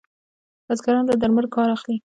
بزګران له درملو کار اخلي.